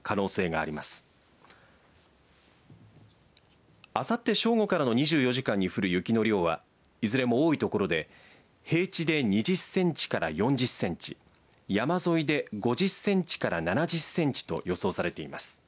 あさって正午からの２４時間に降る雪の量はいずれも多い所で平地で２０センチから４０センチ山沿いで５０センチから７０センチと予想されています。